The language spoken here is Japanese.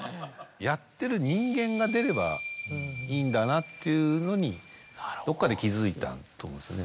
やってる人間が出ればいいんだなっていうのにどっかで気付いたと思うんですよね。